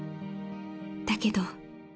［だけど］